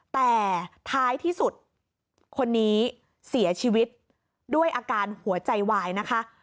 แต่ท้ายที่สุดคนนี้เสียชีวิตด้วยอาการหัวใจวายนะคะ